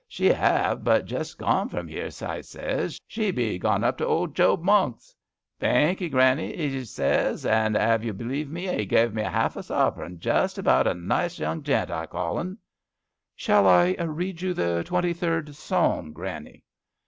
*She 'ave but jist gone from 'ere/ I zays ; *she be gone up to old Job Monk's/ * Thankee, Granny/ a zays, and, ev you believe me, a gev me half a sovereign ; jest about a nice young gent I call un« " Shall I read you the twenty third Psalm, Granny ?